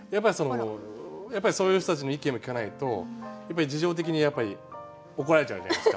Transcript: やっぱりそういう人たちの意見も聞かないと事情的にやっぱり怒られちゃうじゃないですか。